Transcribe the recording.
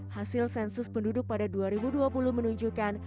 hasil sensus penduduk pada dua ribu dua puluh menunjukkan